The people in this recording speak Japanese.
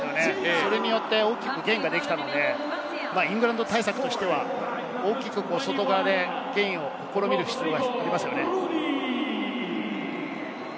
それによって大きくゲインできたので、イングランド対策としては、大きく外側でゲインを試みる必要がありますね。